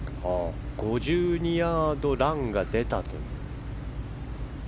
５２ヤード、ランが出たと。